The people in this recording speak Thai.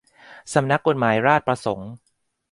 สำนักกฎหมายราษฏรประสงค์